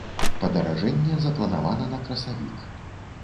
Падаражэнне запланавана на красавік.